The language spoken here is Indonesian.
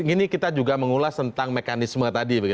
ini kita juga mengulas tentang mekanisme tadi